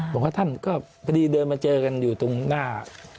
บอกว่าท่านก็พอดีเดินมาเจอกันอยู่ตรงหน้า